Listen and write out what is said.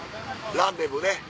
ランデブーね。